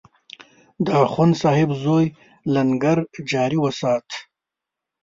د اخندصاحب زوی لنګر جاري وسات.